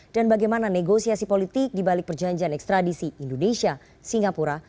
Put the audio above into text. dan bagaimana negosiasi politik dibalik perjanjian ekstradisi indonesia singapura